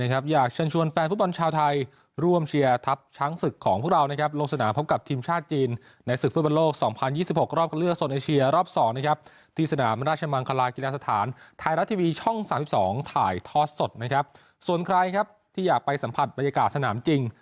ใครที่อยากไปสัมผัสบรรยากาศสนามจริง